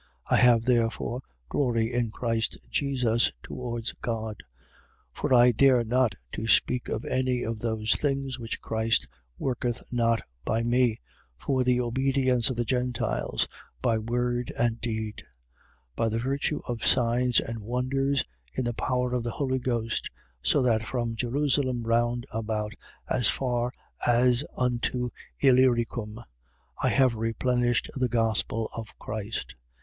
15:17. I have therefore glory in Christ Jesus towards God. 15:18. For I dare not to speak of any of those things which Christ worketh not by me, for the obedience of the Gentiles, by word and deed, 15:19. By the virtue of signs and wonders, in the power of the Holy Ghost, so that from Jerusalem round about, as far as unto Illyricum, I have replenished the gospel of Christ.